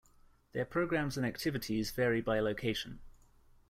Their programs and activities vary by location.